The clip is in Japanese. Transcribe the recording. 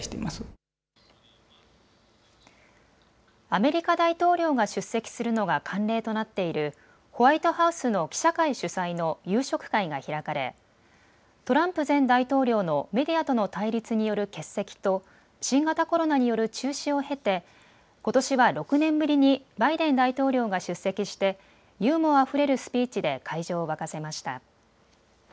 アメリカ大統領が出席するのが慣例となっているホワイトハウスの記者会主催の夕食会が開かれトランプ前大統領のメディアとの対立による欠席と新型コロナによる中止を経てことしは６年ぶりにバイデン大統領が出席してユーモアあふれるスピーチで会場を沸かせました。